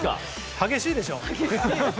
激しいでしょ？